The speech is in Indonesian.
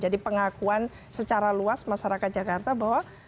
jadi pengakuan secara luas masyarakat jakarta bahwa